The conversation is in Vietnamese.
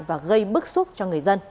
và gây bức xúc cho người dân